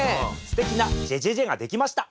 すてきなじぇじぇじぇができました。